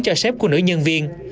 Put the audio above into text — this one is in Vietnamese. cho sếp của nữ nhân viên